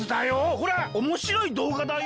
ほらおもしろいどうがだよ。